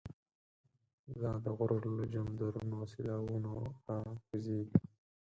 لا دغرو له جمدرونو، سیلاوونه ر ا کوزیږی